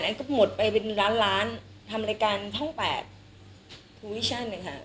อันก็หมดไปเป็นล้านล้านทำรายการทั้งแปดภูวิชั่นค่ะ